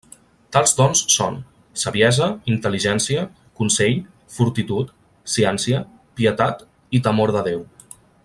Tals dons són: saviesa, intel·ligència, consell, fortitud, ciència, pietat i temor de Déu.